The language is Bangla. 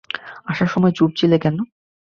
আসার সময় চুপ ছিলে কেন?